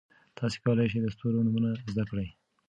تاسي کولای شئ د ستورو نومونه زده کړئ.